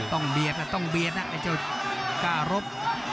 เบียดต้องเบียดนะไอ้เจ้าก้ารบ